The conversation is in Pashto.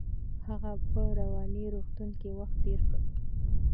هغه په رواني روغتون کې وخت تیر کړ.